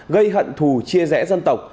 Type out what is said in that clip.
gây hận thù chia rẽ dân tộc